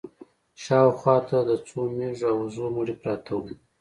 شا و خوا ته د څو مېږو او وزو مړي پراته وو.